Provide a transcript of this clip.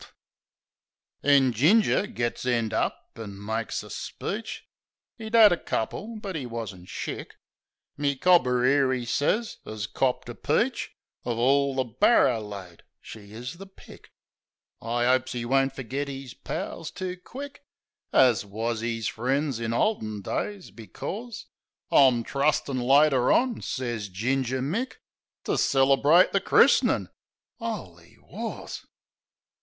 HITCHED 81 Then Ginger gits end up an' makes a speech — ('E'd 'ad a couple, but 'e wasn't shick). "My cobber 'ere," 'e sez, " 'as copped a peach I Of orl the barrer load she is the pick! I 'opes 'e won't fergit 'is pals too quick As wus 'is frien's in olden days, becors, I'm trustin', later on," sez Ginger Mick, "To celebrate the chris'nin'." ... 'Oly wars!